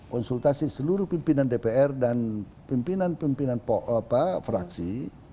konsultasi seluruh pimpinan dpr dan pimpinan pimpinan fraksi